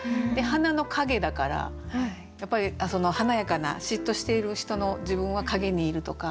「花の陰」だからやっぱり華やかな嫉妬している人の自分は陰にいるとか。